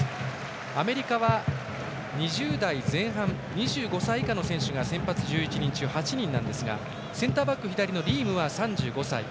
アメリカは、２０代前半２５歳以下の選手が先発１１人中８人ですがセンターバック左のリームは３５歳。